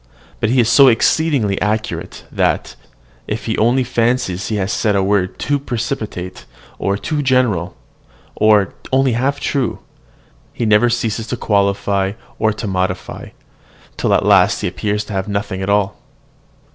But he is so exceedingly accurate, that, if he only fancies he has said a word too precipitate, or too general, or only half true, he never ceases to qualify, to modify, and extenuate, till at last he appears to have said nothing at all.